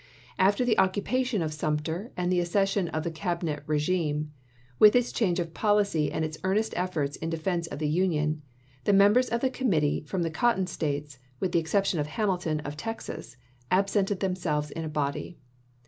After the occupation of Sumter and the accession of the Cabinet regime, with its change of policy and FAILUKE OF COMPROMISE 215 its earnest efforts in defense of the Union, the mem chap. xiv. bers of the Committee from the Cotton States, with the exception of Hamilton, of Texas, absented themselves in a body.